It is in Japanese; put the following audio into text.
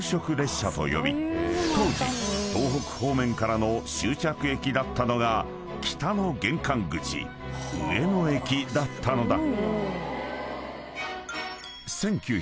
［当時東北方面からの終着駅だったのが北の玄関口上野駅だったのだ］